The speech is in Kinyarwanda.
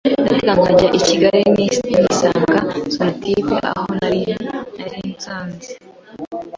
ndatega njya I Kigali nisanga sonatube aho nari nsanze